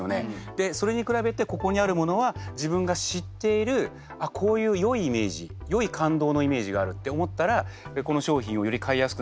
でそれに比べてここにあるものは自分が知っているこういうよいイメージよい感動のイメージがあるって思ったらこの商品をより買いやすくなる。